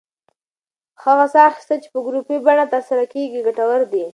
هغه ساه اخیستل چې په ګروپي بڼه ترسره کېږي، ګټور دی.